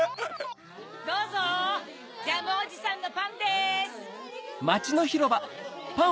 どうぞジャムおじさんのパンです！